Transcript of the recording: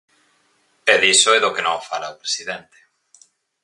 E diso é do que non fala o presidente.